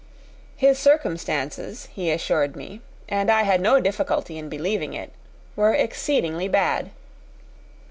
His circumstances, he assured me, and I had no difficulty in believing it, were exceedingly bad.